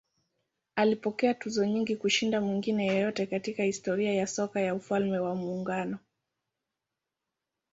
Alipokea tuzo nyingi kushinda mwingine yeyote katika historia ya soka ya Ufalme wa Muungano.